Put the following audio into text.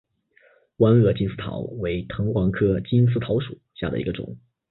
弯萼金丝桃为藤黄科金丝桃属下的一个种。